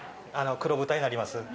黒豚になります。